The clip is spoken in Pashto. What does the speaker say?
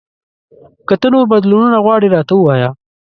که ته نور بدلونونه غواړې، راته ووایه !